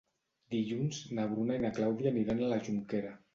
Dilluns na Bruna i na Clàudia aniran a la Jonquera.